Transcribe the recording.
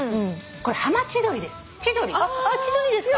これ浜千鳥です。